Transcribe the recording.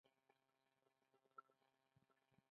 خپل پروګرامونه له غوښتنو سره سم عیار کړي.